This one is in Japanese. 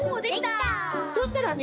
そうしたらね